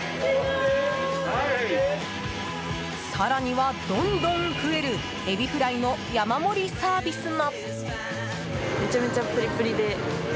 更には、どんどん増えるエビフライの山盛りサービスも。